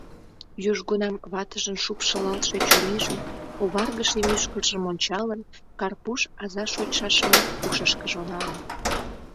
Южгунам ватыжын шупшылалтше чурийжым, оваргыше мӱшкыржым ончалын, Карпуш аза шочшашымат ушышкыжо налын.